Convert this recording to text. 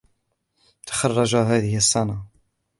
تخرج هذه السنة